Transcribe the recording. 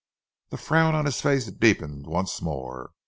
The frown on his face deepened once more.